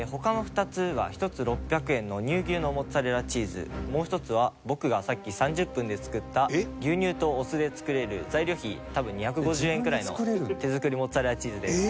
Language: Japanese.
ちなみに他の２つは１つもう１つは僕がさっき３０分で作った牛乳とお酢で作れる材料費多分２５０円くらいの手作りモッツァレラチーズです。